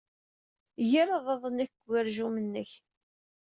Ger aḍad-nnek deg ugerjum-nnek!